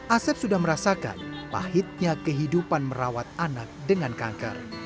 asep sudah merasakan pahitnya kehidupan merawat anak dengan kanker